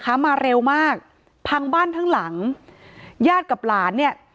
มาเร็วมากพังบ้านทั้งหลังญาติกับหลานเนี่ย